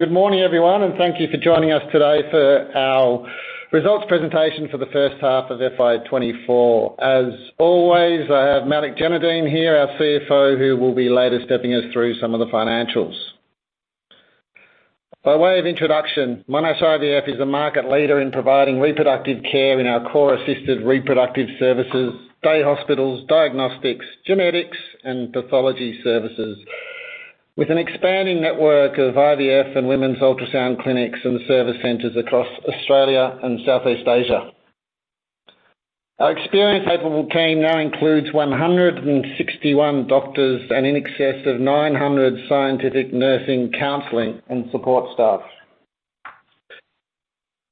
Good morning, everyone, and thank you for joining us today for our results presentation for the first half of FY 2024. As always, I have Malik Jainudeen here, our CFO, who will be later stepping us through some of the financials. By way of introduction, Monash IVF is a market leader in providing reproductive care in our core assisted reproductive services, day hospitals, diagnostics, genetics, and pathology services, with an expanding network of IVF and women's ultrasound clinics and service centers across Australia and Southeast Asia. Our experienced capable team now includes 161 doctors and in excess of 900 scientific nursing, counseling, and support staff.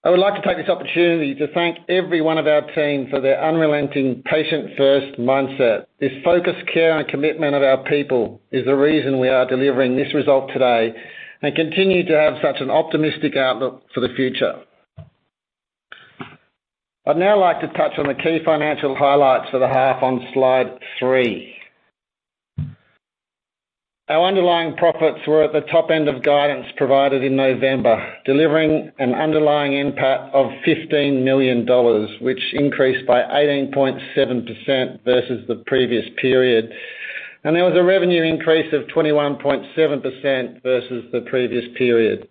I would like to take this opportunity to thank every one of our team for their unrelenting patient-first mindset. This focused care and commitment of our people is the reason we are delivering this result today and continue to have such an optimistic outlook for the future. I'd now like to touch on the key financial highlights for the half on slide three. Our underlying profits were at the top end of guidance provided in November, delivering an underlying NPAT of 15 million dollars, which increased by 18.7% versus the previous period, and there was a revenue increase of 21.7% versus the previous period.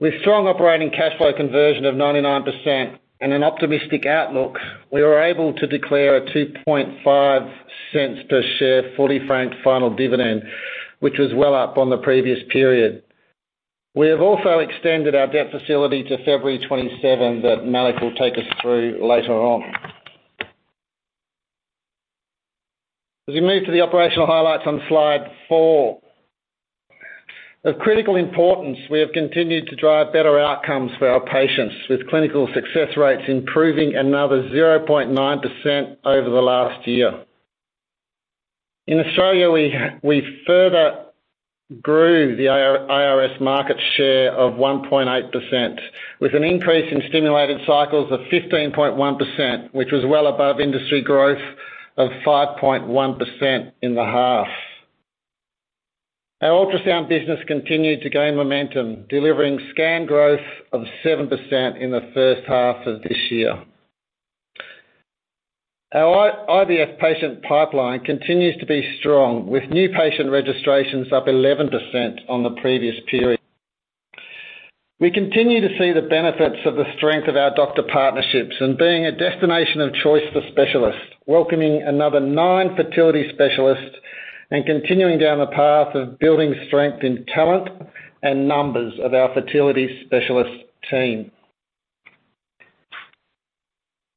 With strong operating cash flow conversion of 99% and an optimistic outlook, we were able to declare a 0.025 per share, fully franked final dividend, which was well up on the previous period. We have also extended our debt facility to February 27th, that Malik will take us through later on. As we move to the operational highlights on slide four. Of critical importance, we have continued to drive better outcomes for our patients, with clinical success rates improving another 0.9% over the last year. In Australia, we further grew the IVF market share of 1.8%, with an increase in stimulated cycles of 15.1%, which was well above industry growth of 5.1% in the half. Our ultrasound business continued to gain momentum, delivering scan growth of 7% in the first half of this year. Our IVF patient pipeline continues to be strong, with new patient registrations up 11% on the previous period. We continue to see the benefits of the strength of our doctor partnerships and being a destination of choice for specialists, welcoming another nine fertility specialists and continuing down the path of building strength in talent and numbers of our fertility specialist team.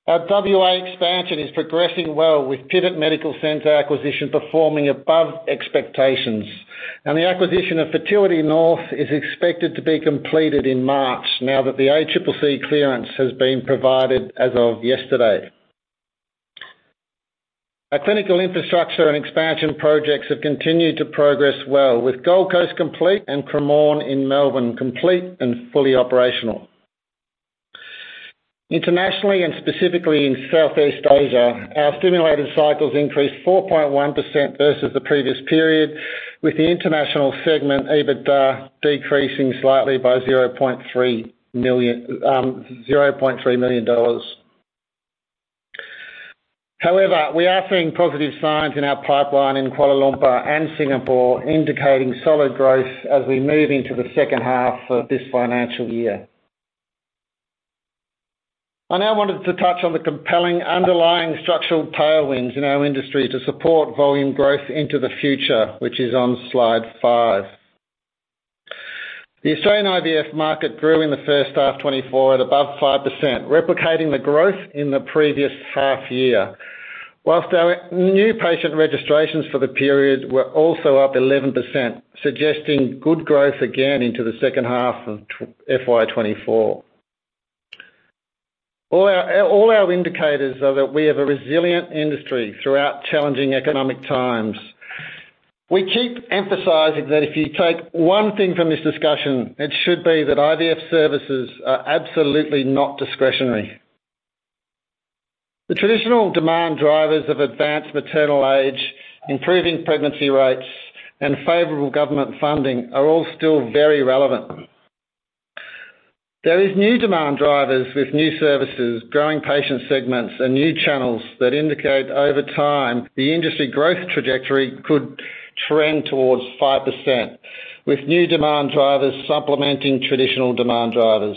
Our WA expansion is progressing well, with PIVET Medical Centre acquisition performing above expectations, and the acquisition of Fertility North is expected to be completed in March, now that the ACCC clearance has been provided as of yesterday. Our clinical infrastructure and expansion projects have continued to progress well, with Gold Coast complete and Cremorne in Melbourne complete and fully operational. Internationally, and specifically in Southeast Asia, our stimulated cycles increased 4.1% versus the previous period, with the international segment, EBITDA, decreasing slightly by 0.3 million dollars. However, we are seeing positive signs in our pipeline in Kuala Lumpur and Singapore, indicating solid growth as we move into the second half of this financial year. I now wanted to touch on the compelling underlying structural tailwinds in our industry to support volume growth into the future, which is on slide five. The Australian IVF market grew in the first half of 2024 at above 5%, replicating the growth in the previous half year. While our new patient registrations for the period were also up 11%, suggesting good growth again into the second half of FY 2024. All our indicators are that we have a resilient industry throughout challenging economic times. We keep emphasizing that if you take one thing from this discussion, it should be that IVF services are absolutely not discretionary. The traditional demand drivers of advanced maternal age, improving pregnancy rates, and favorable government funding are all still very relevant. There is new demand drivers with new services, growing patient segments, and new channels that indicate over time, the industry growth trajectory could trend towards 5%, with new demand drivers supplementing traditional demand drivers.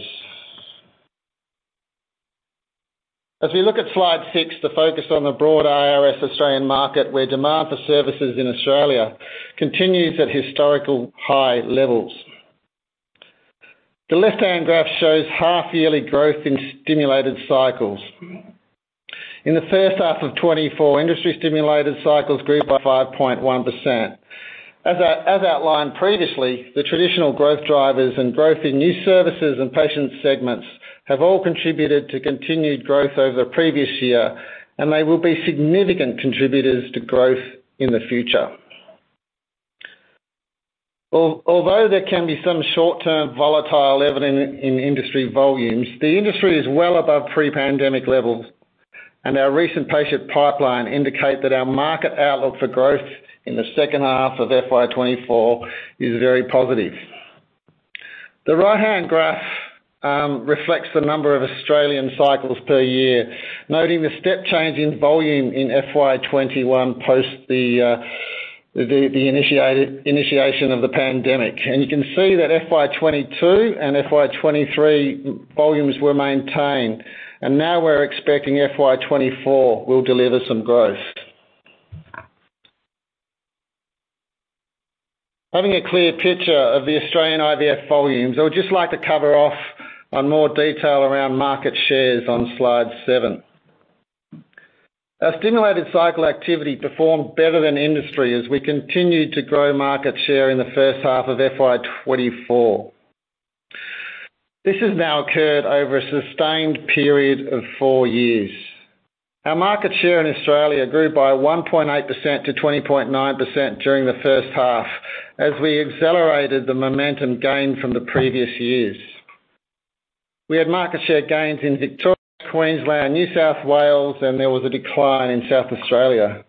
As we look as slide six, the focus on the broad IVF Australian market, where demand for services in Australia continues at historical high levels. The left-hand graph shows half-yearly growth in stimulated cycles. In the first half of 2024, industry-stimulated cycles grew by 5.1%. As outlined previously, the traditional growth drivers and growth in new services and patient segments have all contributed to continued growth over the previous year, and they will be significant contributors to growth in the future. Although there can be some short-term volatility evident in industry volumes, the industry is well above pre-pandemic levels, and our recent patient pipeline indicate that our market outlook for growth in the second half of FY 2024 is very positive. The right-hand graph reflects the number of Australian cycles per year, noting the step change in volume in FY 2021 post the initiation of the pandemic. You can see that FY 2022 and FY 2023 volumes were maintained, and now we're expecting FY 2024 will deliver some growth. Having a clear picture of the Australian IVF volumes, I would just like to cover off on more detail around market shares on slide seven. Our stimulated cycle activity performed better than industry as we continued to grow market share in the first half of FY 2024. This has now occurred over a sustained period of four years. Our market share in Australia grew by 1.8% to 20.9% during the first half, as we accelerated the momentum gained from the previous years. We had market share gains in Victoria, Queensland, New South Wales, and there was a decline in South Australia.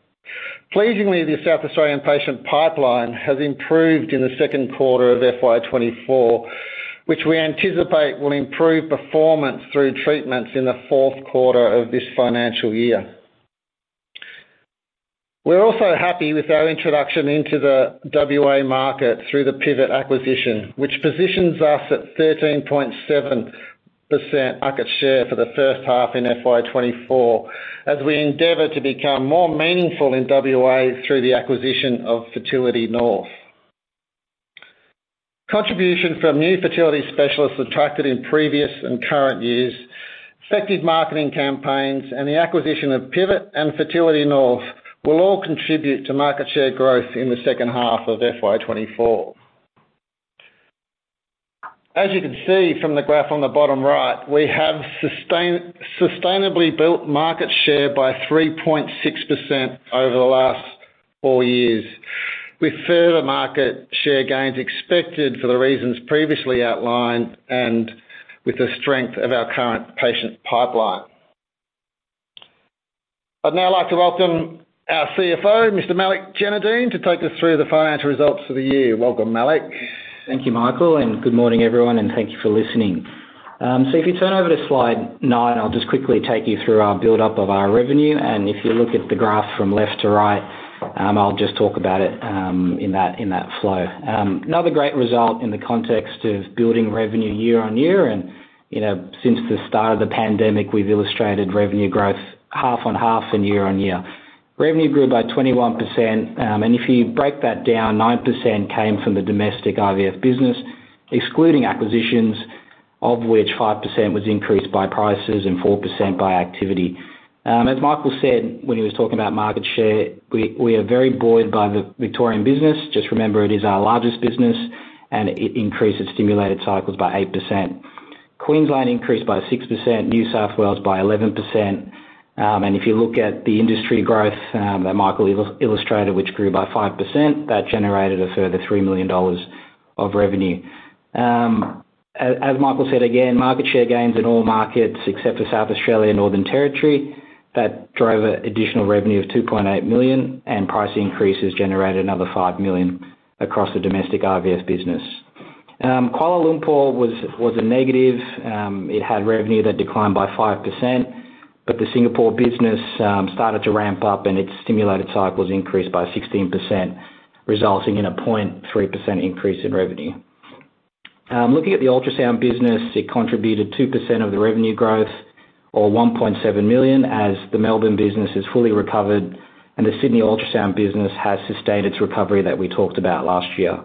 Pleasingly, the South Australian patient pipeline has improved in the second quarter of FY 2024, which we anticipate will improve performance through treatments in the fourth quarter of this financial year. We're also happy with our introduction into the WA market through the PIVET acquisition, which positions us at 13.7% market share for the first half in FY 2024, as we endeavor to become more meaningful in WA through the acquisition of Fertility North. Contribution from new fertility specialists attracted in previous and current years, effective marketing campaigns, and the acquisition of PIVET and Fertility North will all contribute to market share growth in the second half of FY 2024. As you can see from the graph on the bottom right, we have sustainably built market share by 3.6% over the last four years, with further market share gains expected for the reasons previously outlined and with the strength of our current patient pipeline. I'd now like to welcome our CFO, Mr. Malik Jainudeen, to take us through the financial results for the year. Welcome, Malik. Thank you, Michael, and good morning, everyone, and thank you for listening. So if you turn over to slide nine, I'll just quickly take you through our build-up of our revenue, and if you look at the graph from left to right, I'll just talk about it in that flow. Another great result in the context of building revenue year on year, and, you know, since the start of the pandemic, we've illustrated revenue growth half on half and year on year. Revenue grew by 21%, and if you break that down, 9% came from the domestic IVF business, excluding acquisitions, of which 5% was increased by prices and 4% by activity. As Michael said, when he was talking about market share, we are very buoyed by the Victorian business. Just remember, it is our largest business, and it increased its stimulated cycles by 8%. Queensland increased by 6%, New South Wales by 11%, and if you look at the industry growth, that Michael illustrated, which grew by 5%, that generated a further 3 million dollars of revenue. As Michael said, again, market share gains in all markets except for South Australia and Northern Territory. That drove additional revenue of 2.8 million, and price increases generated another 5 million across the domestic IVF business. Kuala Lumpur was a negative. It had revenue that declined by 5%, but the Singapore business started to ramp up, and its stimulated cycles increased by 16%, resulting in a 0.3% increase in revenue. Looking at the ultrasound business, it contributed 2% of the revenue growth, or 1.7 million, as the Melbourne business is fully recovered and the Sydney ultrasound business has sustained its recovery that we talked about last year.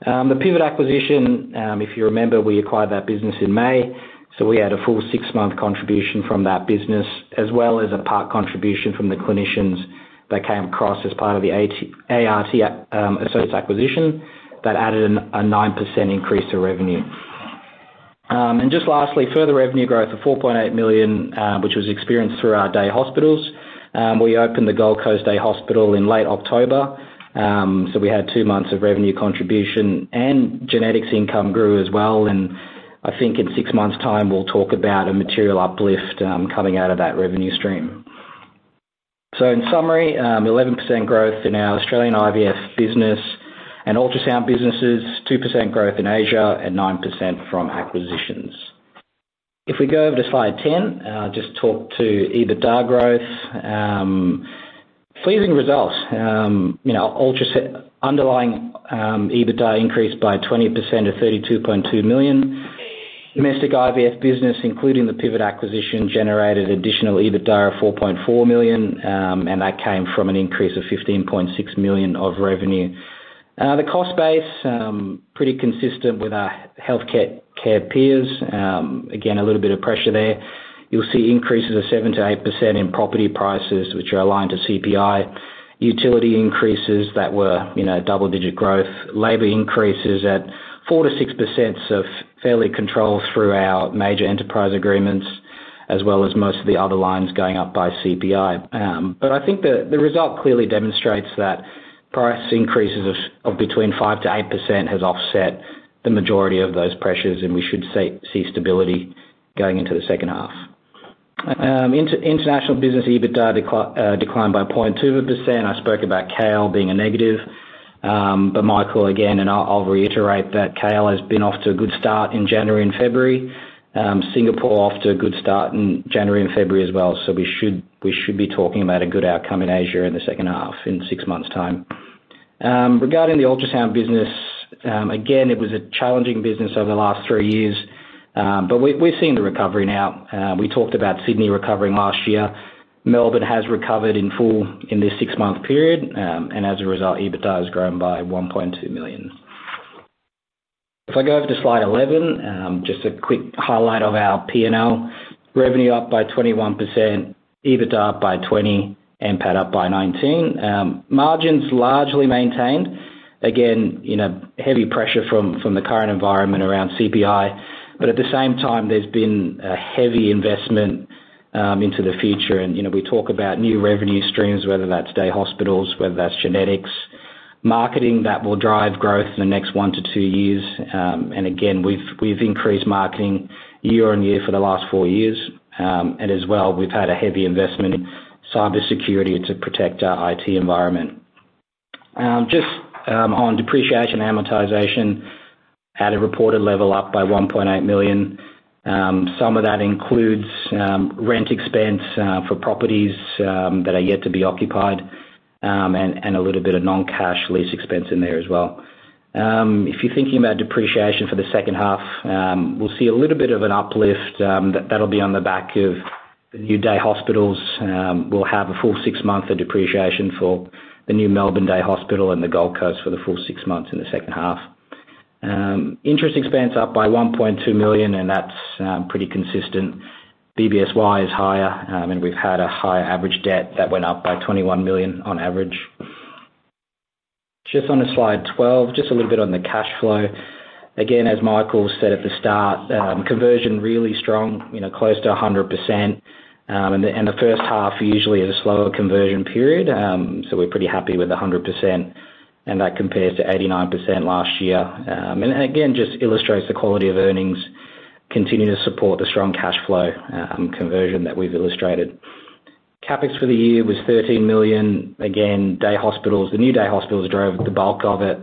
The PIVET acquisition, if you remember, we acquired that business in May, so we had a full six-month contribution from that business, as well as a part contribution from the clinicians that came across as part of the ART Associates acquisition. That added a 9% increase to revenue. And just lastly, further revenue growth of 4.8 million, which was experienced through our day hospitals. We opened the Gold Coast Day Hospital in late October, so we had two months of revenue contribution, and genetics income grew as well, and I think in six months' time, we'll talk about a material uplift coming out of that revenue stream. So in summary, 11% growth in our Australian IVF business and ultrasound businesses, 2% growth in Asia, and 9% from acquisitions. If we go over to Slide 10, just talk to EBITDA growth. Pleasing results. You know, ultrasound underlying EBITDA increased by 20% to 32.2 million. Domestic IVF business, including the PIVET acquisition, generated additional EBITDA of 4.4 million, and that came from an increase of 15.6 million of revenue. The cost base pretty consistent with our healthcare peers. Again, a little bit of pressure there. You'll see increases of 7%-8% in property prices, which are aligned to CPI. Utility increases that were, you know, double-digit growth. Labor increases at 4%-6%, so fairly controlled through our major enterprise agreements, as well as most of the other lines going up by CPI. But I think the result clearly demonstrates that price increases of between 5%-8% has offset the majority of those pressures, and we should see stability going into the second half. International Business EBITDA declined by 0.2%. I spoke about Kuala Lumpur being a negative, but Michael, again, and I'll reiterate that Kuala Lumpur has been off to a good start in January and February. Singapore off to a good start in January and February as well. So we should, we should be talking about a good outcome in Asia in the second half, in six months' time. Regarding the ultrasound business, again, it was a challenging business over the last three years. But we, we're seeing the recovery now. We talked about Sydney recovering last year. Melbourne has recovered in full in this six-month period, and as a result, EBITDA has grown by 1.2 million. If I go over to slide 11, just a quick highlight of our P&L. Revenue up by 21%, EBITDA up by 20%, NPAT up by 19%. Margins largely maintained. Again, you know, heavy pressure from, from the current environment around CPI. But at the same time, there's been a heavy investment into the future, and, you know, we talk about new revenue streams, whether that's day hospitals, whether that's genetics. Marketing that will drive growth in the next one to two years. And again, we've increased marketing year-on-year for the last four years. And as well, we've had a heavy investment in cybersecurity to protect our IT environment. Just on depreciation and amortization, at a reported level, up by 1.8 million. Some of that includes rent expense for properties that are yet to be occupied, and a little bit of non-cash lease expense in there as well. If you're thinking about depreciation for the second half, we'll see a little bit of an uplift. That'll be on the back of the new day hospitals. We'll have a full six months of depreciation for the new Melbourne Day Hospital and the Gold Coast for the full six months in the second half. Interest expense up by 1.2 million, and that's pretty consistent. BBSY is higher, and we've had a higher average debt that went up by 21 million on average. Just onto slide 12, just a little bit on the cash flow. Again, as Michael said at the start, conversion really strong, you know, close to 100%, and the first half usually is a slower conversion period. So we're pretty happy with the 100%, and that compares to 89% last year. And again, just illustrates the quality of earnings, continuing to support the strong cash flow conversion that we've illustrated. CapEx for the year was 13 million. Again, day hospitals, the new day hospitals drove the bulk of it.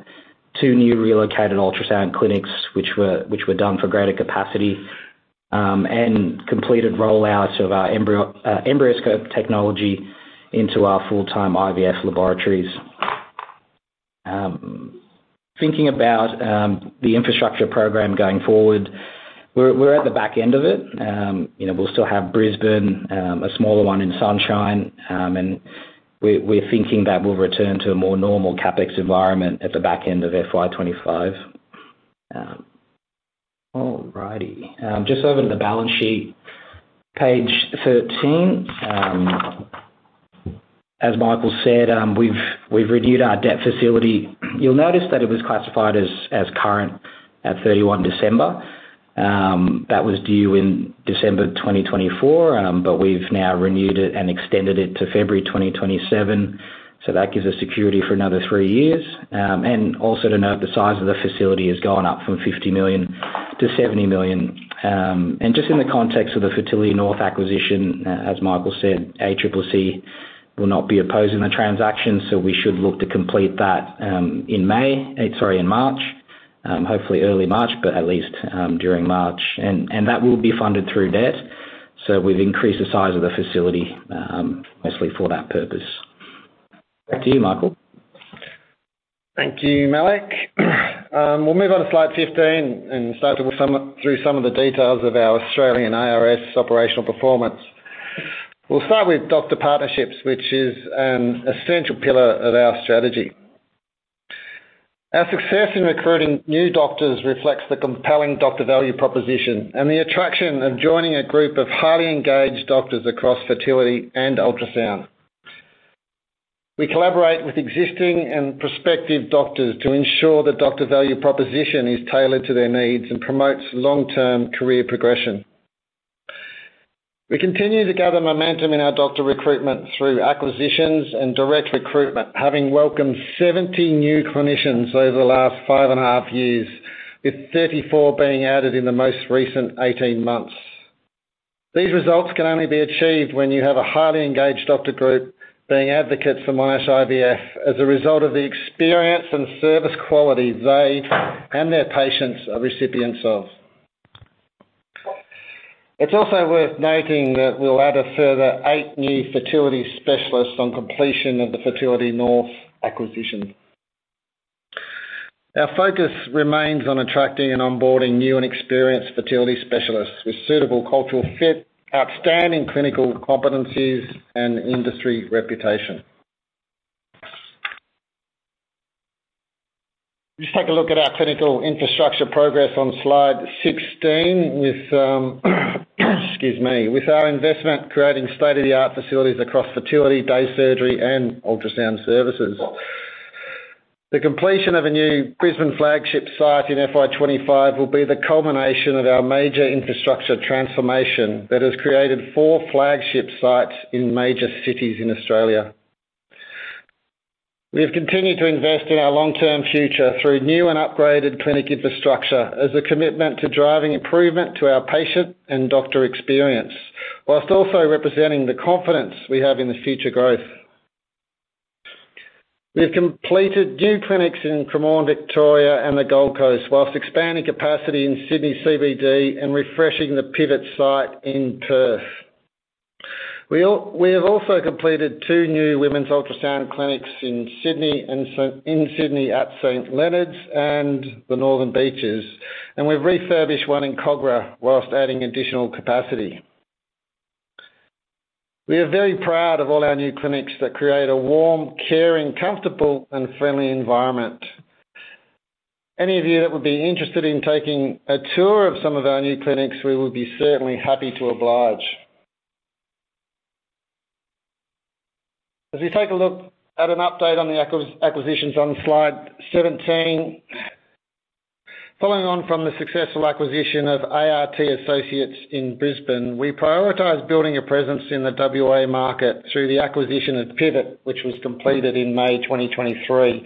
Two new relocated ultrasound clinics, which were done for greater capacity, and completed rollouts of our EmbryoScope technology into our full-time IVF laboratories. Thinking about the infrastructure program going forward, we're at the back end of it. You know, we'll still have Brisbane, a smaller one in Sunshine, and we're thinking that we'll return to a more normal CapEx environment at the back end of FY 2025. All righty. Just over to the balance sheet, page 13. As Michael said, we've renewed our debt facility. You'll notice that it was classified as current at 31 December. That was due in December 2024, but we've now renewed it and extended it to February 2027, so that gives us security for another three years. And also to note, the size of the facility has gone up from 50 million to 70 million. And just in the context of the Fertility North acquisition, as Michael said, ACCC will not be opposing the transaction, so we should look to complete that in May, sorry, in March. Hopefully early March, but at least during March. And that will be funded through debt. So we've increased the size of the facility, mostly for that purpose. Back to you, Michael. Thank you, Malik. We'll move on to slide 15 and start to walk through some of the details of our Australian IVF operational performance. We'll start with doctor partnerships, which is a central pillar of our strategy. Our success in recruiting new doctors reflects the compelling doctor value proposition, and the attraction of joining a group of highly engaged doctors across fertility and ultrasound. We collaborate with existing and prospective doctors to ensure the doctor value proposition is tailored to their needs and promotes long-term career progression. We continue to gather momentum in our doctor recruitment through acquisitions and direct recruitment, having welcomed 70 new clinicians over the last 5.5 years, with 34 being added in the most recent 18 months. These results can only be achieved when you have a highly engaged doctor group being advocates for Monash IVF as a result of the experience and service quality they and their patients are recipients of. It's also worth noting that we'll add a further eight new fertility specialists on completion of the Fertility North acquisition. Our focus remains on attracting and onboarding new and experienced fertility specialists with suitable cultural fit, outstanding clinical competencies, and industry reputation. Just take a look at our clinical infrastructure progress on slide 16, with, excuse me, with our investment creating state-of-the-art facilities across fertility, day surgery, and ultrasound services. The completion of a new Brisbane flagship site in FY 2025 will be the culmination of our major infrastructure transformation that has created four flagship sites in major cities in Australia. We have continued to invest in our long-term future through new and upgraded clinic infrastructure as a commitment to driving improvement to our patient and doctor experience, while also representing the confidence we have in the future growth. We have completed new clinics in Cremorne, Victoria, and the Gold Coast, while expanding capacity in Sydney CBD and refreshing the PIVET site in Perth. We have also completed two new women's ultrasound clinics in Sydney at St Leonards and the Northern Beaches, and we've refurbished one in Kogarah, while adding additional capacity. We are very proud of all our new clinics that create a warm, caring, comfortable, and friendly environment. Any of you that would be interested in taking a tour of some of our new clinics, we would be certainly happy to oblige. As we take a look at an update on the acquisitions on slide 17, following on from the successful acquisition of ART Associates in Brisbane, we prioritized building a presence in the WA market through the acquisition of PIVET, which was completed in May 2023.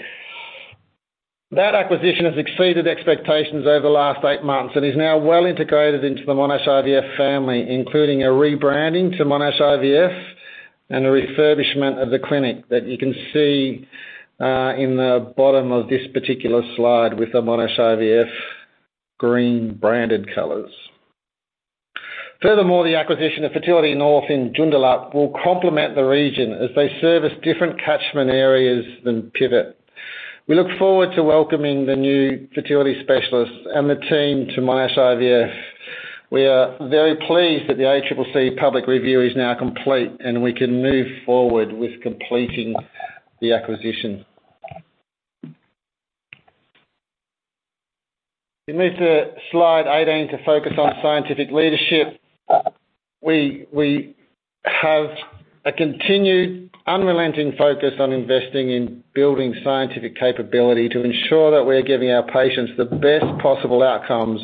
That acquisition has exceeded expectations over the last eight months and is now well integrated into the Monash IVF family, including a rebranding to Monash IVF and a refurbishment of the clinic that you can see in the bottom of this particular slide with the Monash IVF green branded colors. Furthermore, the acquisition of Fertility North in Joondalup will complement the region as they service different catchment areas than PIVET. We look forward to welcoming the new fertility specialists and the team to Monash IVF. We are very pleased that the ACCC public review is now complete, and we can move forward with completing the acquisition. We move to Slide 18 to focus on scientific leadership. We have a continued, unrelenting focus on investing in building scientific capability to ensure that we are giving our patients the best possible outcomes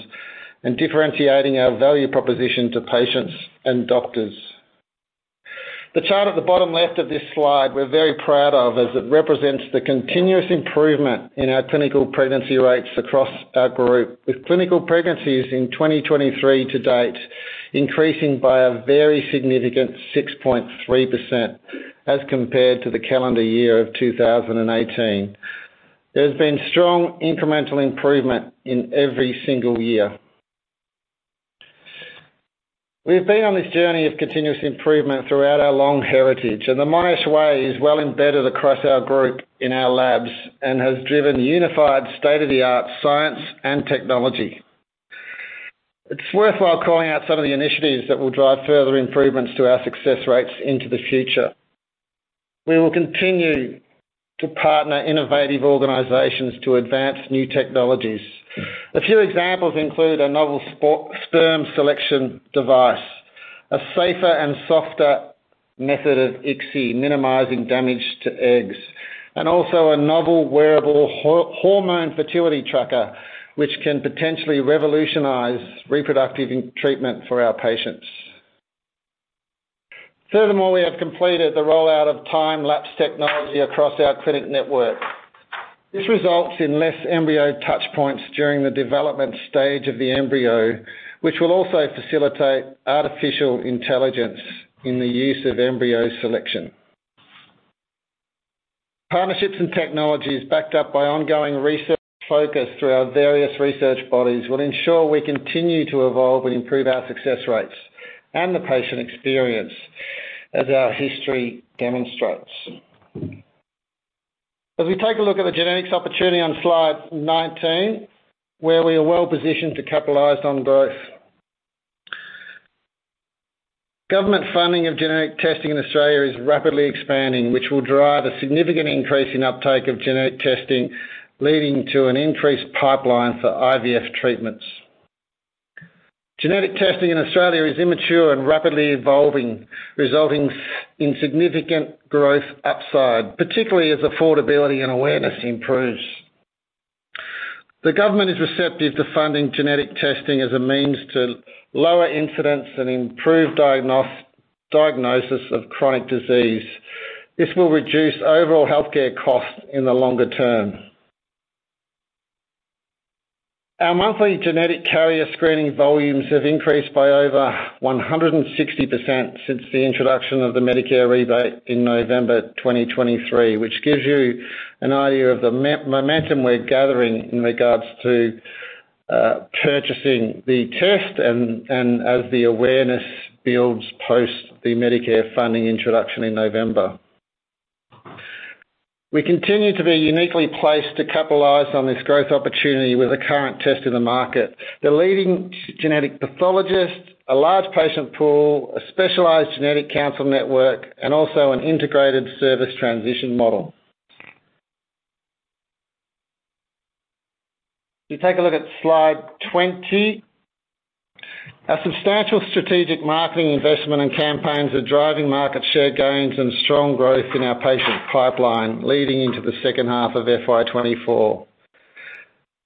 and differentiating our value proposition to patients and doctors. The chart at the bottom left of this slide, we're very proud of, as it represents the continuous improvement in our clinical pregnancy rates across our group, with clinical pregnancies in 2023 to date increasing by a very significant 6.3% as compared to the calendar year of 2018. There's been strong incremental improvement in every single year. We have been on this journey of continuous improvement throughout our long heritage, and the Monash way is well embedded across our group in our labs and has driven unified state-of-the-art science and technology. It's worthwhile calling out some of the initiatives that will drive further improvements to our success rates into the future. We will continue to partner innovative organizations to advance new technologies. A few examples include a novel sperm selection device, a safer and softer method of ICSI, minimizing damage to eggs, and also a novel wearable hormone fertility tracker, which can potentially revolutionize reproductive treatment for our patients. Furthermore, we have completed the rollout of time-lapse technology across our clinic network. This results in less embryo touchpoints during the development stage of the embryo, which will also facilitate artificial intelligence in the use of embryo selection. Partnerships and technologies, backed up by ongoing research focus through our various research bodies, will ensure we continue to evolve and improve our success rates and the patient experience, as our history demonstrates. As we take a look at the genetics opportunity on slide 19, where we are well positioned to capitalize on growth. Government funding of genetic testing in Australia is rapidly expanding, which will drive a significant increase in uptake of genetic testing, leading to an increased pipeline for IVF treatments. Genetic testing in Australia is immature and rapidly evolving, resulting in significant growth upside, particularly as affordability and awareness improves. The government is receptive to funding genetic testing as a means to lower incidence and improve diagnosis of chronic disease. This will reduce overall healthcare costs in the longer term. Our monthly genetic carrier screening volumes have increased by over 160% since the introduction of the Medicare rebate in November 2023, which gives you an idea of the momentum we're gathering in regards to purchasing the test and as the awareness builds post the Medicare funding introduction in November. We continue to be uniquely placed to capitalize on this growth opportunity with the current test in the market: the leading genetic pathologist, a large patient pool, a specialized genetic counsel network, and also an integrated service transition model. If you take a look at slide 20, our substantial strategic marketing investment and campaigns are driving market share gains and strong growth in our patient pipeline, leading into the second half of FY 2024.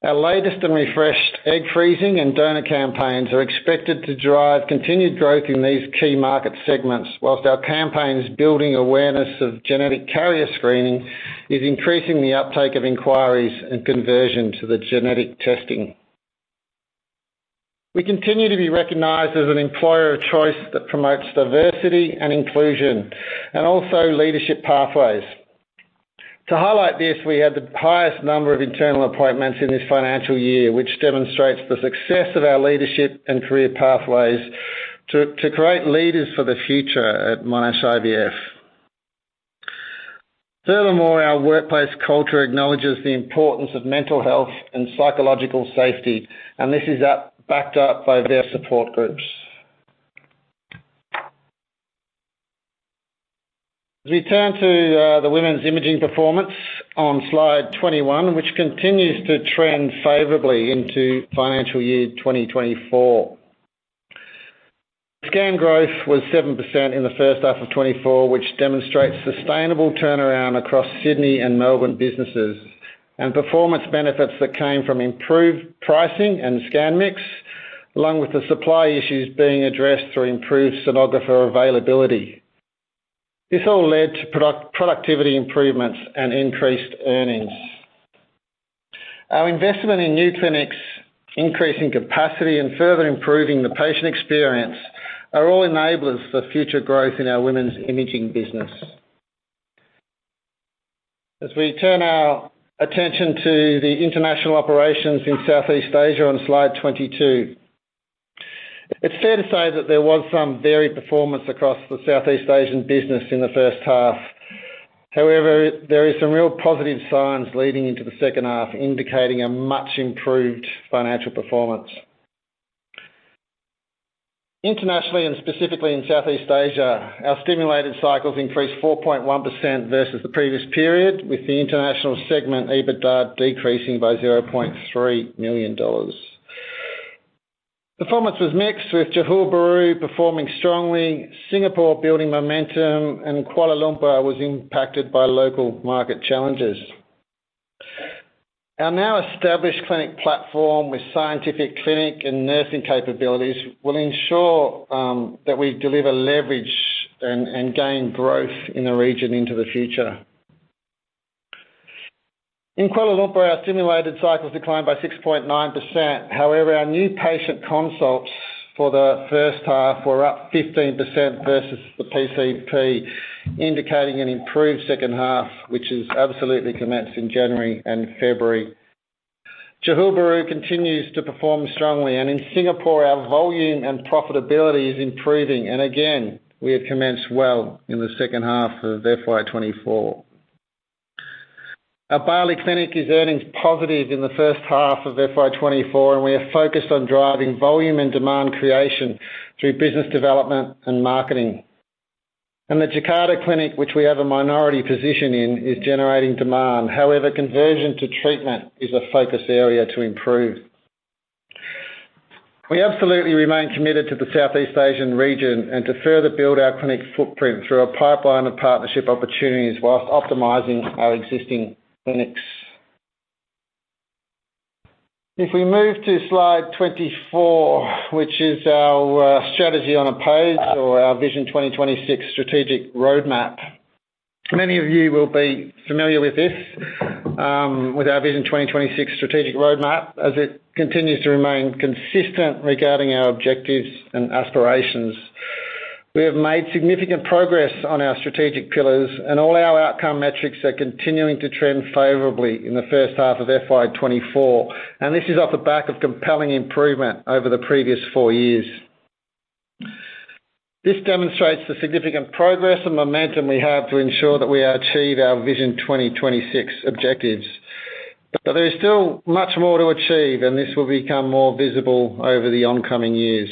Our latest and refreshed egg freezing and donor campaigns are expected to drive continued growth in these key market segments, while our campaigns building awareness of genetic carrier screening is increasing the uptake of inquiries and conversion to the genetic testing. We continue to be recognized as an employer of choice that promotes diversity and inclusion, and also leadership pathways. To highlight this, we had the highest number of internal appointments in this financial year, which demonstrates the success of our leadership and career pathways to create leaders for the future at Monash IVF. Furthermore, our workplace culture acknowledges the importance of mental health and psychological safety, and this is, backed up by their support groups. As we turn to, the women's imaging performance on slide 21, which continues to trend favorably into financial year 2024. Scan growth was 7% in the first half of 2024, which demonstrates sustainable turnaround across Sydney and Melbourne businesses, and performance benefits that came from improved pricing and scan mix, along with the supply issues being addressed through improved sonographer availability. This all led to productivity improvements and increased earnings. Our investment in new clinics, increasing capacity, and further improving the patient experience, are all enablers for future growth in our women's imaging business. As we turn our attention to the international operations in Southeast Asia on slide 22, it's fair to say that there was some varied performance across the Southeast Asian business in the first half. However, there is some real positive signs leading into the second half, indicating a much improved financial performance. Internationally and specifically in Southeast Asia, our stimulated cycles increased 4.1% versus the previous period, with the international segment, EBITDA, decreasing by 0.3 million dollars. Performance was mixed, with Johor Bahru performing strongly, Singapore building momentum, and Kuala Lumpur was impacted by local market challenges. Our now established clinic platform, with scientific clinic and nursing capabilities, will ensure that we deliver leverage and gain growth in the region into the future. In Kuala Lumpur, our stimulated cycles declined by 6.9%. However, our new patient consults for the first half were up 15% versus the PCP, indicating an improved second half, which has absolutely commenced in January and February. Johor Bahru continues to perform strongly, and in Singapore, our volume and profitability is improving, and again, we have commenced well in the second half of FY 2024. Our Bali clinic is earnings positive in the first half of FY 2024, and we are focused on driving volume and demand creation through business development and marketing. The Jakarta clinic, which we have a minority position in, is generating demand. However, conversion to treatment is a focus area to improve. We absolutely remain committed to the Southeast Asian region and to further build our clinic footprint through a pipeline of partnership opportunities, while optimizing our existing clinics. If we move to slide 24, which is our strategy on a page or our Vision 2026 strategic roadmap. Many of you will be familiar with this, with our Vision 2026 strategic roadmap, as it continues to remain consistent regarding our objectives and aspirations. We have made significant progress on our strategic pillars, and all our outcome metrics are continuing to trend favorably in the first half of FY 2024, and this is off the back of compelling improvement over the previous four years. This demonstrates the significant progress and momentum we have to ensure that we achieve our Vision 2026 objectives. But there is still much more to achieve, and this will become more visible over the oncoming years.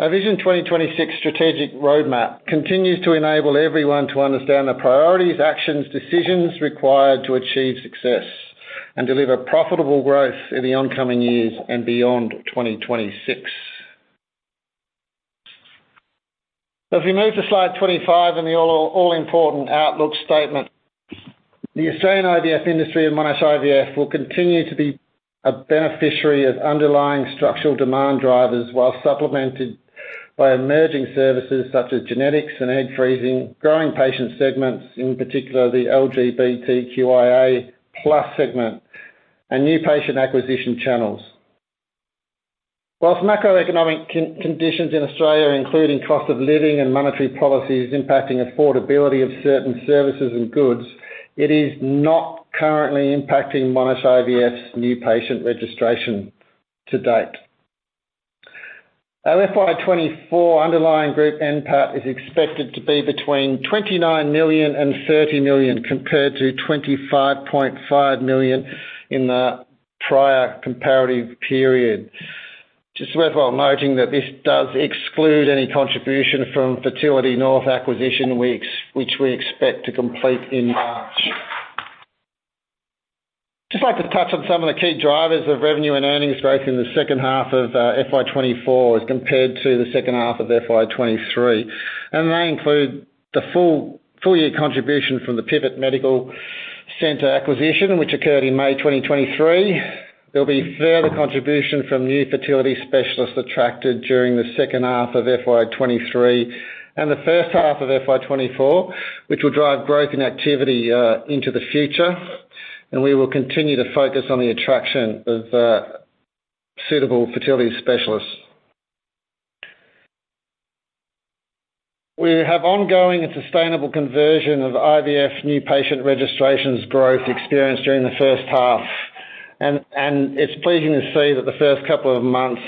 Our Vision 2026 strategic roadmap continues to enable everyone to understand the priorities, actions, decisions required to achieve success and deliver profitable growth in the oncoming years and beyond 2026. So if you move to slide 25 and the all important outlook statement, the Australian IVF industry and Monash IVF will continue to be a beneficiary of underlying structural demand drivers, while supplemented by emerging services such as genetics and egg freezing, growing patient segments, in particular, the LGBTQIA+ segment, and new patient acquisition channels. While macroeconomic conditions in Australia, including cost of living and monetary policies impacting affordability of certain services and goods, it is not currently impacting Monash IVF's new patient registration to date. Our FY 2024 underlying group NPAT is expected to be between 29 million and 30 million, compared to 25.5 million in the prior comparative period. Just worthwhile noting that this does exclude any contribution from Fertility North acquisition, which we expect to complete in March. Just like to touch on some of the key drivers of revenue and earnings growth in the second half of FY 2024, as compared to the second half of FY 2023. They include the full, full year contribution from the PIVET Medical Centre acquisition, which occurred in May 2023. There'll be further contribution from new fertility specialists attracted during the second half of FY 2023, and the first half of FY 2024, which will drive growth and activity into the future. We will continue to focus on the attraction of suitable fertility specialists. We have ongoing and sustainable conversion of IVF new patient registrations growth experienced during the first half. It's pleasing to see that the first couple of months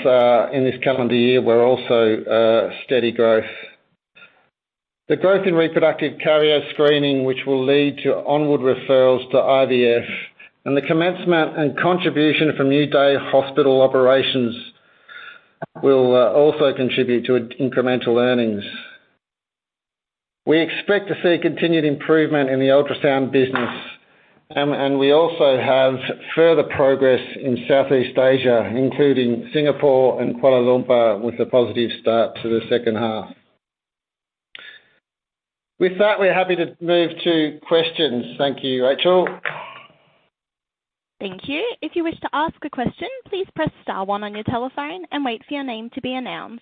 in this calendar year were also steady growth. The growth in reproductive carrier screening, which will lead to onward referrals to IVF, and the commencement and contribution from new day hospital operations, will also contribute to incremental earnings. We expect to see continued improvement in the ultrasound business, and we also have further progress in Southeast Asia, including Singapore and Kuala Lumpur, with a positive start to the second half. With that, we're happy to move to questions. Thank you, Rachael. Thank you. If you wish to ask a question, please press star one on your telephone and wait for your name to be announced.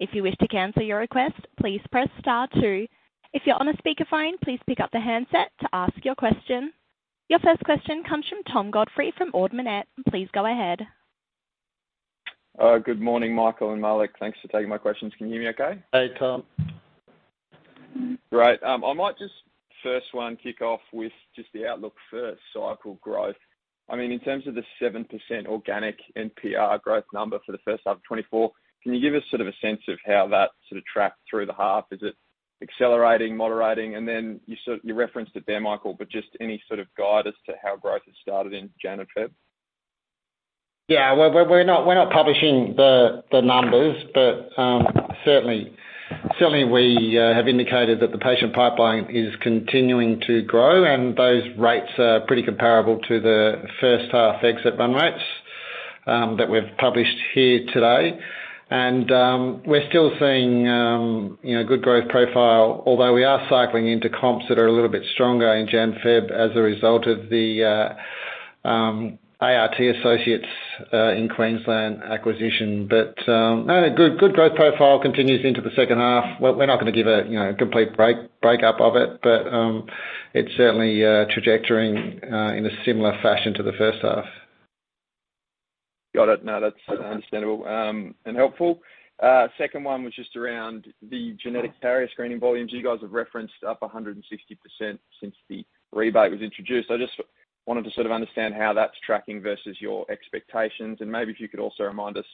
If you wish to cancel your request, please press star two. If you're on a speakerphone, please pick up the handset to ask your question. Your first question comes from Tom Godfrey from Ord Minnett. Please go ahead. Good morning, Michael Knaap and Malik Jainudeen. Thanks for taking my questions. Can you hear me okay? Hey, Tom. Great. I might just, first one, kick off with just the outlook for cycle growth. I mean, in terms of the 7% organic NPR growth number for the first half of 2024, can you give us sort of a sense of how that sort of tracked through the half? Is it accelerating, moderating? And then you sort of- you referenced it there, Michael, but just any sort of guide as to how growth has started in Jan and Feb? Yeah, well, we're not publishing the numbers, but certainly, certainly we have indicated that the patient pipeline is continuing to grow, and those rates are pretty comparable to the first half exit run rates that we've published here today. And we're still seeing you know good growth profile, although we are cycling into comps that are a little bit stronger in January, February as a result of the ART Associates in Queensland acquisition. But no, good growth profile continues into the second half. Well, we're not going to give a you know a complete breakup of it, but it's certainly trajectoring in a similar fashion to the first half. Got it. No, that's understandable, and helpful. Second one was just around the genetic carrier screening volumes. You guys have referenced up 160% since the rebate was introduced. I just wanted to sort of understand how that's tracking versus your expectations, and maybe if you could also remind us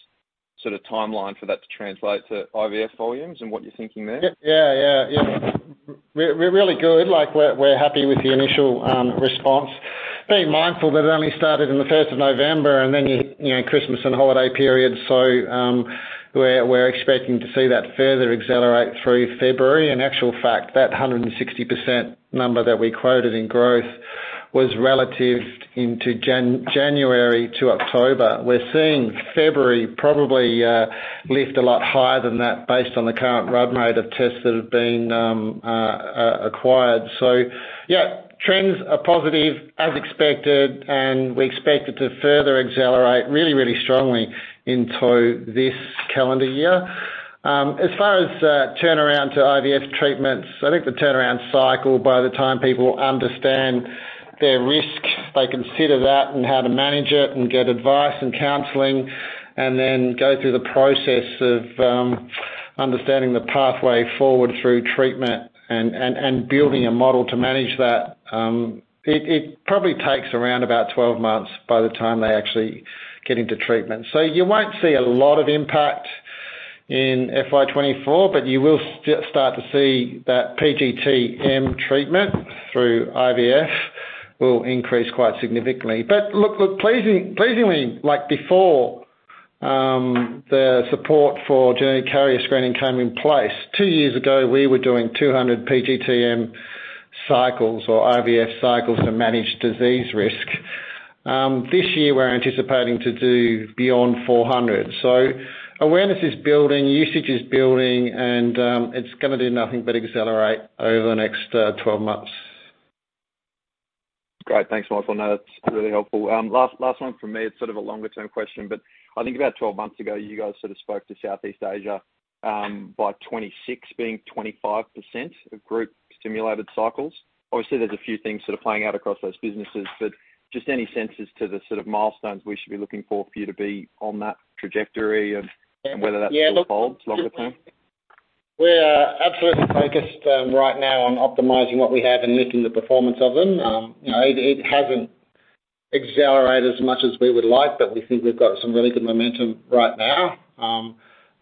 sort of timeline for that to translate to IVF volumes and what you're thinking there. Yep. Yeah, yeah, yeah. We're really good. Like, we're happy with the initial response. Being mindful that it only started on the first of November, and then, you know, Christmas and holiday period, so, we're expecting to see that further accelerate through February. In actual fact, that 160% number that we quoted in growth was relative into January to October. We're seeing February probably lift a lot higher than that based on the current run rate of tests that have been acquired. So yeah, trends are positive, as expected, and we expect it to further accelerate really, really strongly into this calendar year. As far as turnaround to IVF treatments, I think the turnaround cycle by the time people understand their risk, they consider that and how to manage it and get advice and counseling, and then go through the process of understanding the pathway forward through treatment and, and, and building a model to manage that. It probably takes around about 12 months by the time they actually get into treatment. So you won't see a lot of impact in FY 2024, but you will start to see that PGTM treatment through IVF will increase quite significantly. But look, look, pleasing, pleasingly, like before, the support for genetic carrier screening came in place, two years ago, we were doing 200 PGTM cycles or IVF cycles to manage disease risk. This year, we're anticipating to do beyond 400. So awareness is building, usage is building, and it's gonna do nothing but accelerate over the next 12 months. Great. Thanks, Michael. No, that's really helpful. Last one from me, it's sort of a longer-term question, but I think about 12 months ago, you guys sort of spoke to Southeast Asia, by 2026 being 25% of group stimulated cycles. Obviously, there's a few things sort of playing out across those businesses, but just any sense to the sort of milestones we should be looking for, for you to be on that trajectory of- Yeah - and whether that still holds longer term? We're absolutely focused, right now on optimizing what we have and lifting the performance of them. You know, it hasn't accelerated as much as we would like, but we think we've got some really good momentum right now.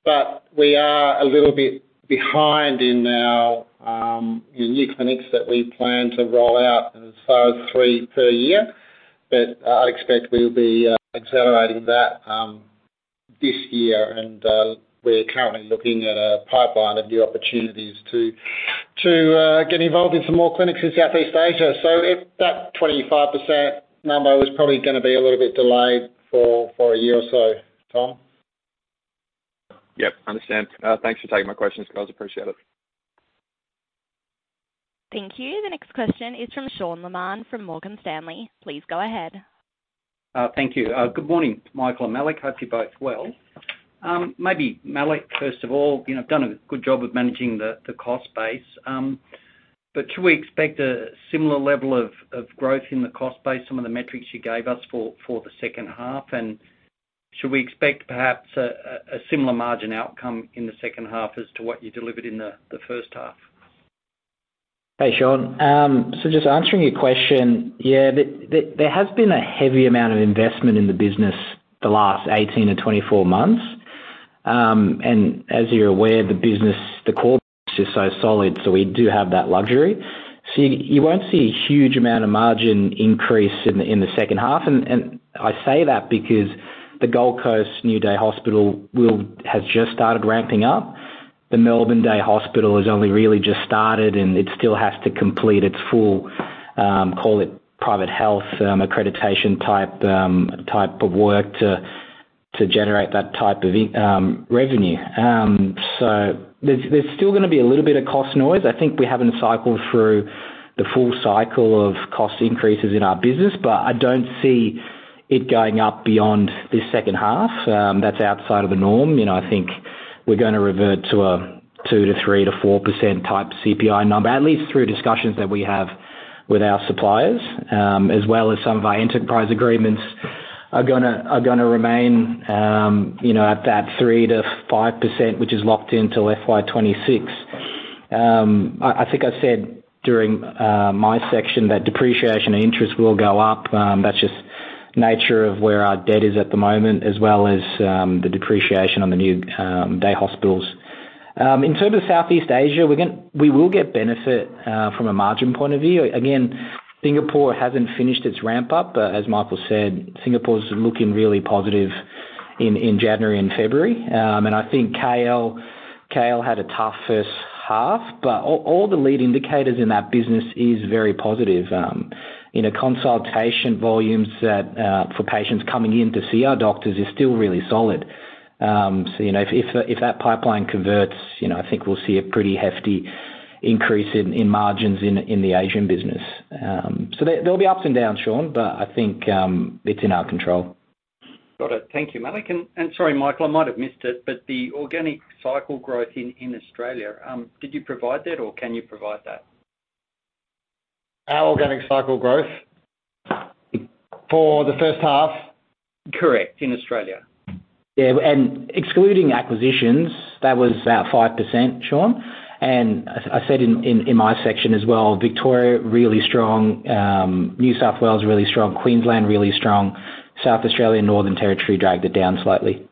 But we are a little bit behind in new clinics that we plan to roll out as far as three per year. But I'd expect we'll be accelerating that this year. And we're currently looking at a pipeline of new opportunities to get involved in some more clinics in Southeast Asia. So if that 25% number was probably gonna be a little bit delayed for a year or so, Tom? Yep, understand. Thanks for taking my questions, guys. Appreciate it. Thank you. The next question is from Sean Laaman from Morgan Stanley. Please go ahead. Thank you. Good morning, Michael and Malik. Hope you're both well. Maybe Malik, first of all, you know, done a good job of managing the cost base. But should we expect a similar level of growth in the cost base, some of the metrics you gave us for the second half? And should we expect perhaps a similar margin outcome in the second half as to what you delivered in the first half? Hey, Sean. So just answering your question, yeah, there has been a heavy amount of investment in the business the last 18-24 months. And as you're aware, the business, the core is so solid, so we do have that luxury. So you won't see a huge amount of margin increase in the second half. And I say that because the Gold Coast New Day Hospital has just started ramping up. The Melbourne Day Hospital has only really just started, and it still has to complete its full, call it, private health, accreditation type, type of work to generate that type of revenue. So there's still gonna be a little bit of cost noise. I think we haven't cycled through the full cycle of cost increases in our business, but I don't see it going up beyond this second half. That's outside of the norm. You know, I think we're gonna revert to a 2%-3%-4% type CPI number, at least through discussions that we have with our suppliers, as well as some of our enterprise agreements are gonna remain, you know, at that 3%-5%, which is locked in till FY 2026. I think I said during my section that depreciation and interest will go up. That's just the nature of where our debt is at the moment, as well as the depreciation on the new day hospitals. In terms of Southeast Asia, we will get benefit from a margin point of view. Again, Singapore hasn't finished its ramp up, but as Michael said, Singapore's looking really positive in January and February. And I think KL had a tough first half, but all the lead indicators in that business is very positive. You know, consultation volumes for patients coming in to see our doctors is still really solid. So, you know, if that pipeline converts, you know, I think we'll see a pretty hefty increase in margins in the Asian business. So there'll be ups and downs, Sean, but I think it's in our control. Got it. Thank you, Malik. And sorry, Michael, I might have missed it, but the organic cycle growth in Australia, did you provide that or can you provide that? Our organic cycle growth for the first half? Correct, in Australia. Yeah, and excluding acquisitions, that was about 5%, Sean. As I said in my section as well, Victoria really strong, New South Wales really strong. Queensland really strong. South Australia, Northern Territory dragged it down slightly.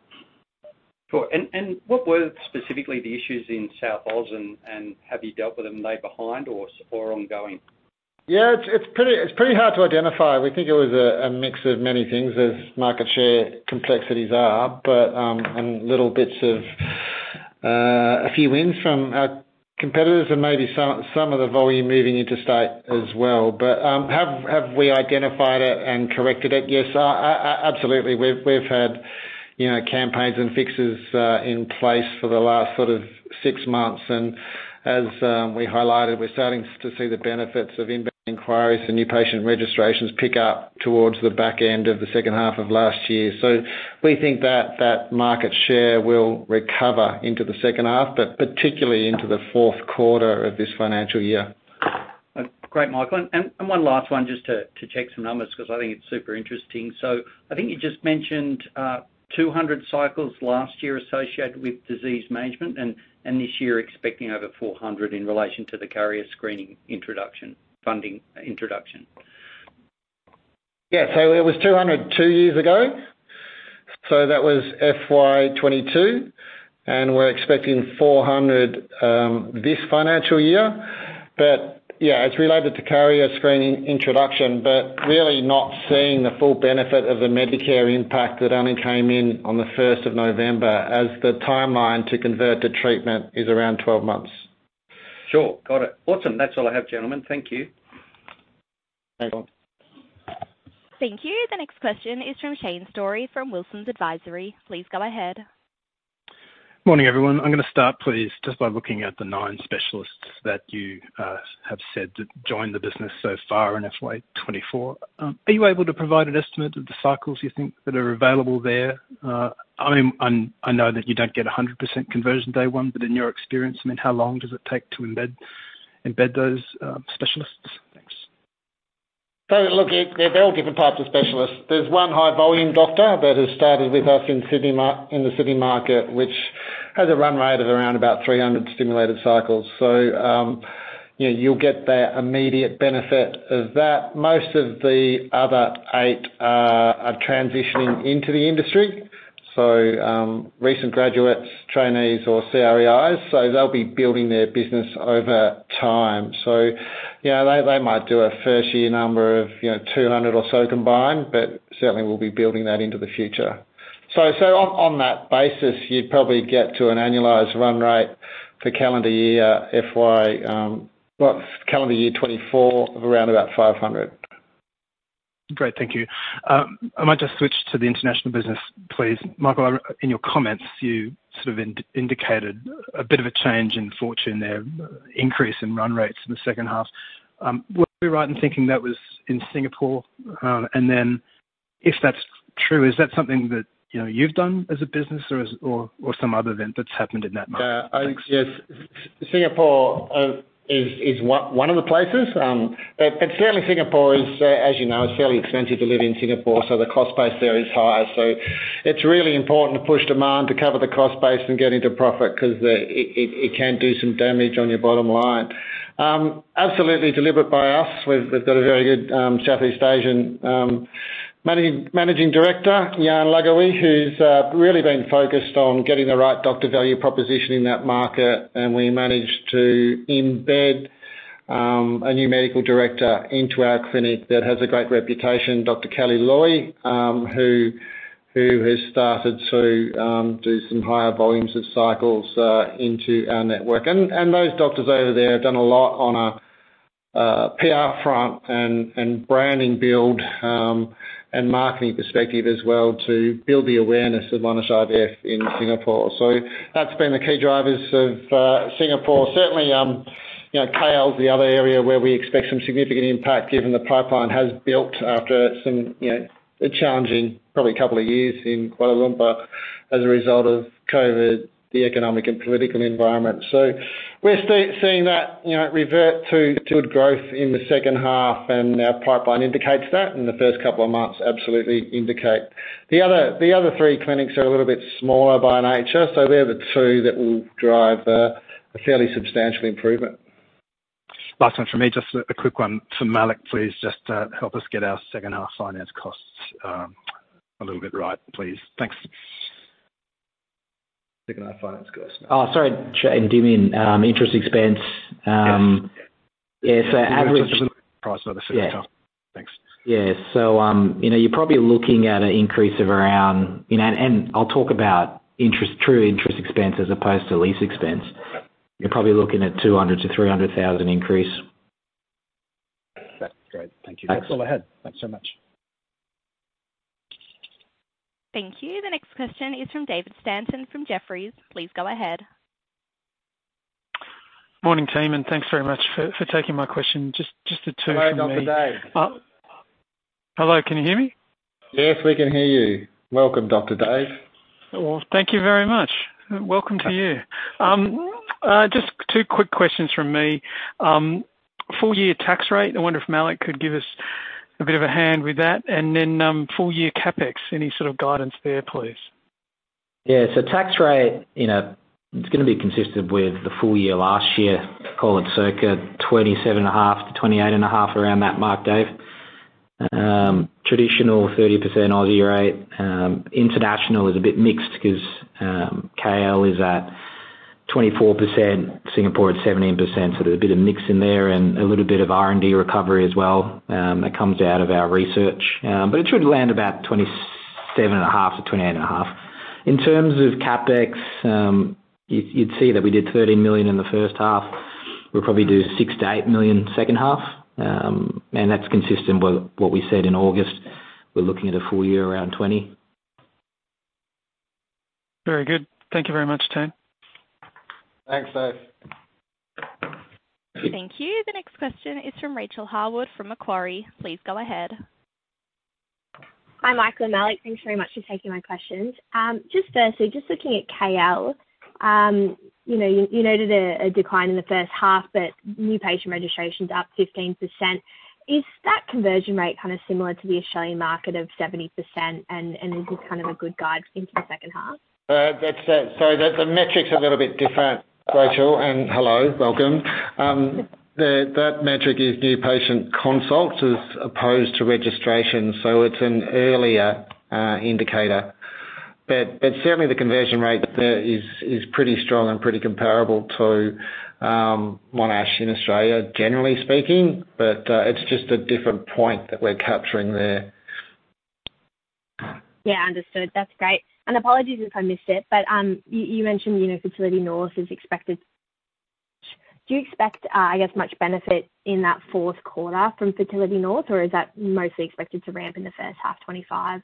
Sure. And what were specifically the issues in New South Wales, and have you dealt with them, are they behind or ongoing? Yeah, it's pretty hard to identify. We think it was a mix of many things, as market share complexities are, but and little bits of a few wins from our competitors and maybe some of the volume moving into state as well. But have we identified it and corrected it? Yes, absolutely. We've had, you know, campaigns and fixes in place for the last sort of six months. And as we highlighted, we're starting to see the benefits of inbound inquiries and new patient registrations pick up towards the back end of the second half of last year. So we think that market share will recover into the second half, but particularly into the fourth quarter of this financial year. Great, Michael. And, and one last one, just to, to check some numbers, 'cause I think it's super interesting. So I think you just mentioned, 200 cycles last year associated with disease management and, and this year expecting over 400 in relation to the carrier screening introduction, funding introduction. Yes. So it was 200 two years ago, so that was FY 2022, and we're expecting 400 this financial year. But yeah, it's related to carrier screening introduction, but really not seeing the full benefit of the Medicare impact that only came in on the first of November, as the timeline to convert to treatment is around 12 months. Sure. Got it. Awesome. That's all I have, gentlemen. Thank you. Thanks, Sean. Thank you. The next question is from Shane Storey, from Wilsons Advisory. Please go ahead. Morning, everyone. I'm gonna start, please, just by looking at the nine specialists that you have said that joined the business so far in FY 2024. Are you able to provide an estimate of the cycles you think that are available there? I mean, I know that you don't get 100% conversion day one, but in your experience, I mean, how long does it take to embed those specialists? Thanks. So look, there are all different types of specialists. There's one high-volume doctor that has started with us in Sydney in the Sydney market, which has a run rate of around about 300 stimulated cycles. So, you know, you'll get that immediate benefit of that. Most of the other eight are transitioning into the industry. So, recent graduates, trainees, or CREIs, so they'll be building their business over time. So, you know, they might do a first-year number of, you know, 200 or so combined, but certainly we'll be building that into the future. So on that basis, you'd probably get to an annualized run rate for calendar year FY, well, calendar year 2024 of around about 500. Great. Thank you. I might just switch to the international business, please. Michael, in your comments, you sort of indicated a bit of a change in fortune there, increase in run rates in the second half. Would we right in thinking that was in Singapore? And then if that's true, is that something that, you know, you've done as a business or as, or, or some other event that's happened in that market? I think, yes, Singapore is one of the places. Certainly Singapore is, as you know, it's fairly expensive to live in Singapore, so the cost base there is high. It's really important to push demand to cover the cost base and get into profit 'cause it can do some damage on your bottom line. Absolutely delivered by us. We've got a very good Southeast Asian managing director, Jane Leong, who's really been focused on getting the right doctor value proposition in that market, and we managed to embed a new medical director into our clinic that has a great reputation, Dr. Kelly Loi, who has started to do some higher volumes of cycles into our network. And those doctors over there have done a lot on a PR front and branding build and marketing perspective as well, to build the awareness of Monash IVF in Singapore. So that's been the key drivers of Singapore. Certainly, you know, KL's the other area where we expect some significant impact, given the pipeline has built after some, you know, a challenging probably couple of years in Kuala Lumpur as a result of COVID, the economic and political environment. So we're seeing that, you know, revert to good growth in the second half, and our pipeline indicates that, and the first couple of months absolutely indicate. The other three clinics are a little bit smaller by nature, so they're the two that will drive a fairly substantial improvement. Last one for me. Just a quick one for Malik, please, just to help us get our second-half finance costs, a little bit right, please. Thanks. Second half finance costs. Oh, sorry, Shane, dim in, interest expense, Yes. Yeah, so average- Price over the second half. Yeah. Thanks. Yeah. So, you know, you're probably looking at an increase of around... You know, and, and I'll talk about interest, true interest expense as opposed to lease expense. Right. You're probably looking at 200,000-300,000 increase. That's great. Thank you. Thanks. Go ahead. Thanks so much. Thank you. The next question is from David Stanton from Jefferies. Please go ahead. Morning, team, and thanks very much for taking my question. Just the two from me- Hello, Dr. Dave. Hello. Can you hear me? Yes, we can hear you. Welcome, Dr. Dave. Well, thank you very much. Welcome to you. Just two quick questions from me. Full-year tax rate, I wonder if Malik could give us a bit of a hand with that, and then, full-year CapEx. Any sort of guidance there, please? Yeah. So tax rate, you know, it's gonna be consistent with the full year last year, call it circa 27.5%-28.5% around that mark, Dave. Traditional 30% Aussie rate. International is a bit mixed 'cause KL is at 24%, Singapore at 17%, so there's a bit of mix in there and a little bit of R&D recovery as well, that comes out of our research. But it should land about 27.5%-28.5%. In terms of CapEx, you'd see that we did 13 million in the first half. We'll probably do 6 million-8 million second half, and that's consistent with what we said in August. We're looking at a full year around 20 million. Very good. Thank you very much, team. Thanks, Dave. Thank you. The next question is from Rachael Harwood, from Macquarie. Please go ahead. Hi, Michael and Malik. Thanks very much for taking my questions. Just firstly, just looking at KL, you know, you noted a decline in the first half, but new patient registration's up 15%. Is that conversion rate kind of similar to the Australian market of 70%? And is this kind of a good guide into the second half? So the metric's a little bit different, Rachael, and hello, welcome. That metric is new patient consults, as opposed to registrations, so it's an earlier indicator. But certainly the conversion rate there is pretty strong and pretty comparable to Monash in Australia, generally speaking. But it's just a different point that we're capturing there. Yeah, understood. That's great. And apologies if I missed it, but you mentioned, you know, Fertility North is expected. Do you expect, I guess, much benefit in that fourth quarter from Fertility North, or is that mostly expected to ramp in the first half, 2025?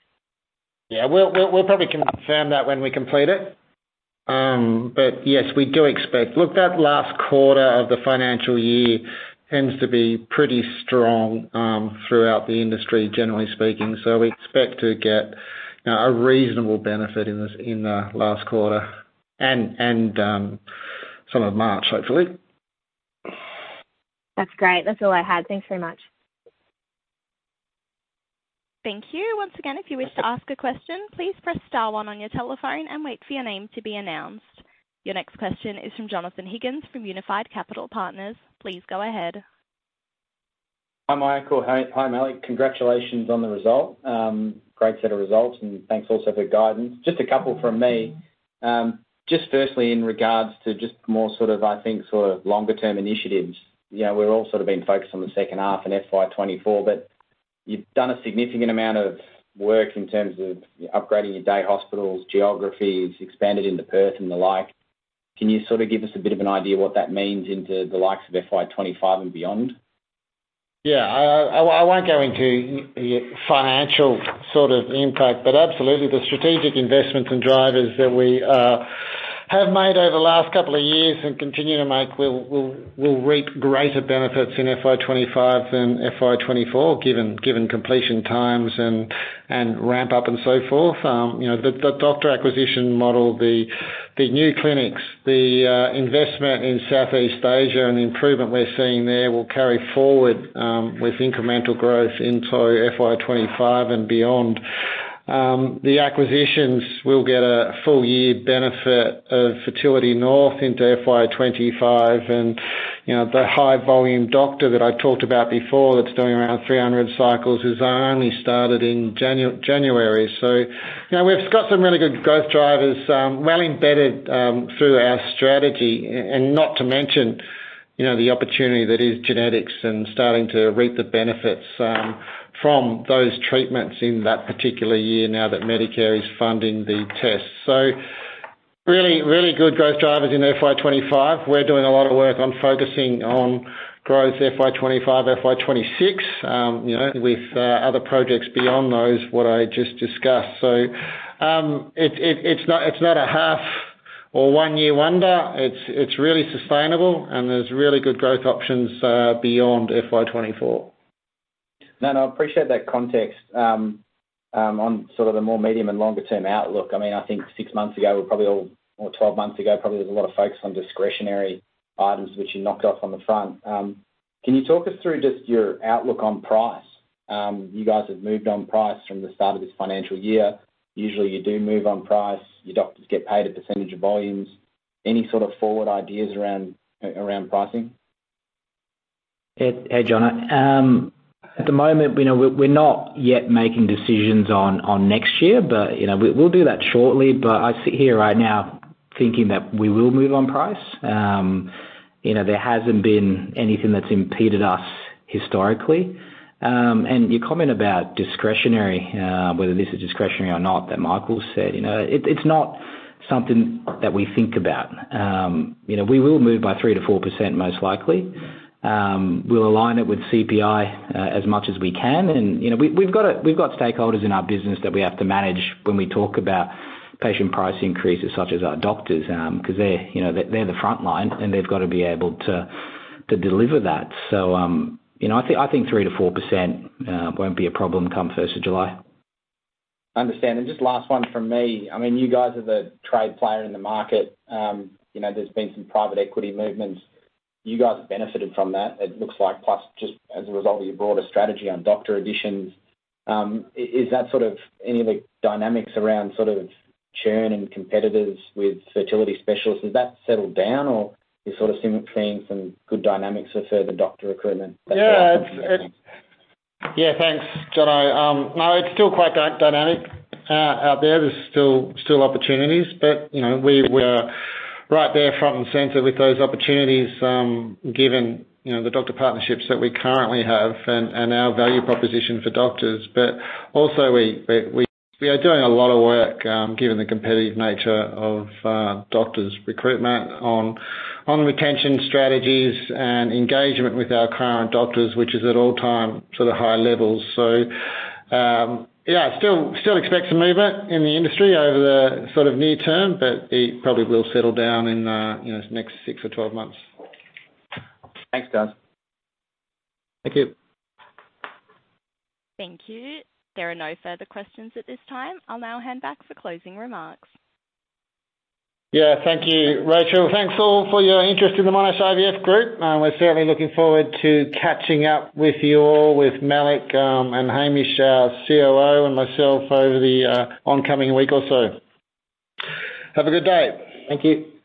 Yeah, we'll probably confirm that when we complete it. But yes, we do expect... Look, that last quarter of the financial year tends to be pretty strong throughout the industry, generally speaking. So we expect to get a reasonable benefit in this, in the last quarter and some of March, hopefully. That's great. That's all I had. Thanks very much. Thank you. Once again, if you wish to ask a question, please press star one on your telephone and wait for your name to be announced. Your next question is from Jonathan Higgins, from Unified Capital Partners. Please go ahead.... Hi, Michael. Hi, hi, Malik. Congratulations on the result. Great set of results, and thanks also for your guidance. Just a couple from me. Just firstly, in regards to just more sort of, I think, sort of longer term initiatives, you know, we're all sort of been focused on the second half and FY 2024, but you've done a significant amount of work in terms of upgrading your day hospitals, geographies, expanded into Perth and the like. Can you sort of give us a bit of an idea what that means into the likes of FY 2025 and beyond? Yeah, I won't go into the financial sort of impact, but absolutely, the strategic investments and drivers that we have made over the last couple of years and continue to make, will reap greater benefits in FY 2025 than FY 2024, given completion times and ramp up and so forth. You know, the doctor acquisition model, the new clinics, the investment in Southeast Asia, and the improvement we're seeing there will carry forward with incremental growth into FY 2025 and beyond. The acquisitions will get a full year benefit of Fertility North into FY 2025, and you know, the high volume doctor that I talked about before, that's doing around 300 cycles, has only started in January. So, you know, we've got some really good growth drivers, well embedded through our strategy, and not to mention, you know, the opportunity that is genetics and starting to reap the benefits from those treatments in that particular year now that Medicare is funding the tests. So really, really good growth drivers in FY 2025. We're doing a lot of work on focusing on growth FY 2025, FY 2026, you know, with other projects beyond those, what I just discussed. So, it, it, it's not, it's not a half or one year wonder. It's, it's really sustainable, and there's really good growth options beyond FY 2024. No, no, I appreciate that context. On sort of the more medium and longer term outlook, I mean, I think six months ago, we were probably all or twelve months ago, probably there was a lot of focus on discretionary items which you knocked off on the front. Can you talk us through just your outlook on price? You guys have moved on price from the start of this financial year. Usually, you do move on price, your doctors get paid a percentage of volumes. Any sort of forward ideas around around pricing? Hey, hey, John, at the moment, you know, we're not yet making decisions on next year, but, you know, we'll do that shortly. But I sit here right now thinking that we will move on price. You know, there hasn't been anything that's impeded us historically. And your comment about discretionary, whether this is discretionary or not, that Michael said, you know, it's not something that we think about. You know, we will move by 3%-4%, most likely. We'll align it with CPI, as much as we can, and, you know, we've got stakeholders in our business that we have to manage when we talk about patient price increases, such as our doctors. 'Cause they're, you know, they're the front line, and they've got to be able to deliver that. You know, I think, I think 3%-4% won't be a problem come first of July. Understand. And just last one from me. I mean, you guys are the trade player in the market. You know, there's been some private equity movements. You guys have benefited from that, it looks like, plus just as a result of your broader strategy on doctor additions. Is that sort of any of the dynamics around sort of churn and competitors with fertility specialists, has that settled down, or you sort of seeing some good dynamics for further doctor recruitment? Yeah, it's dynamic out there. There's still opportunities, but, you know, we are right there front and center with those opportunities, given, you know, the doctor partnerships that we currently have and our value proposition for doctors. But also we are doing a lot of work, given the competitive nature of doctors' recruitment on retention strategies and engagement with our current doctors, which is at all-time sort of high levels. So, yeah, still expect some movement in the industry over the sort of near term, but it probably will settle down in, you know, next six or 12 months. Thanks, guys. Thank you. Thank you. There are no further questions at this time. I'll now hand back for closing remarks. Yeah, thank you, Rachael. Thanks all for your interest in the Monash IVF Group, and we're certainly looking forward to catching up with you all, with Malik, and Hamish, our COO, and myself over the oncoming week or so. Have a good day. Thank you.